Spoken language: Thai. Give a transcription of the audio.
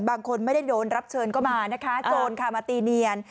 บางคนไม่ได้โดนรับเชิญก็มานะคะโจรค่ะมาตีเนียน